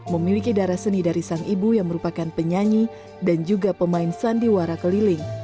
memiliki darah seni dari sang ibu yang merupakan penyanyi dan juga pemain sandiwara keliling